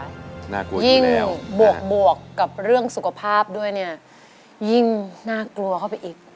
น่ากลัวยิ่งบวกกับเรื่องสุขภาพด้วยเนี่ยยิ่งน่ากลัวเข้าไปอีก